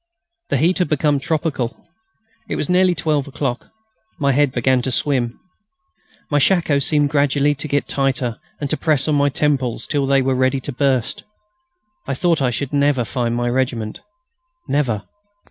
The heat had become tropical. It was nearly twelve o'clock. My head began to swim. My shako seemed gradually to get tighter and to press on my temples till they were ready to burst. I thought I should never find my regiment never....